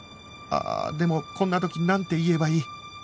ああでもこんな時なんて言えばいい？